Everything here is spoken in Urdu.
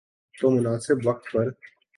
تو مناسب وقت پر۔